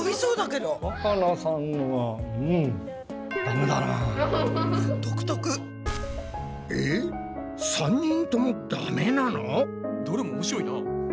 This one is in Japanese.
どれも面白いな。